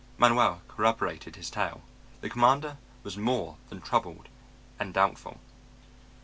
Manuel corroborated his tale. The commander was more than troubled and doubtful.